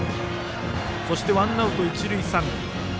そしてワンアウト一塁三塁。